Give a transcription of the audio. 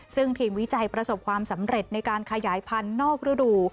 ซึ่งทีมวิจัยประสบความสำเร็จในการขยายพันธุ์นอกฤดู